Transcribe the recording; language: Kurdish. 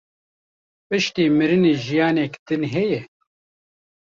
Piştî mirinê jiyanek din heye?